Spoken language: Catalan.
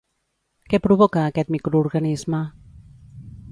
Què provoca aquest microorganisme?